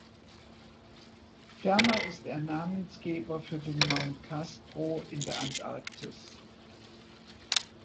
Ferner ist er Namensgeber für den Mount Castro in der Antarktis.